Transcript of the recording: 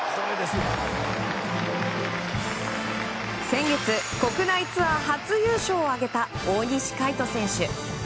先月、国内ツアー初優勝を挙げた大西魁斗選手。